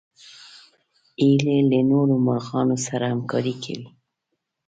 هیلۍ له نورو مرغانو سره همکاري کوي